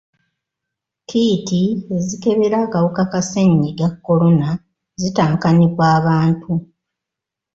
Kiiti ezikebera akawuka ka ssennyiga kolona zitankanibwa abantu.